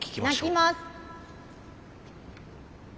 鳴きます。